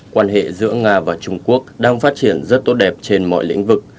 quan hệ giữa nga và trung quốc đang phát triển rất tốt đẹp trên mọi lĩnh vực